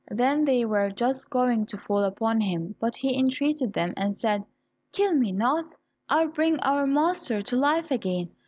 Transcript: Then they were just going to fall upon him, but he entreated them and said, "Kill me not, I will bring our master to life again.